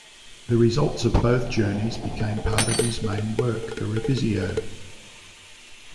The results of both journeys became part of his main work, the "Revisio".